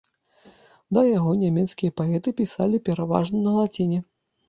Да яго нямецкія паэты пісалі пераважна на лаціне.